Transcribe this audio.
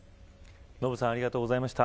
延さんありがとうございました。